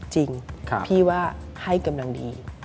จริงพี่ว่าให้กำลังดี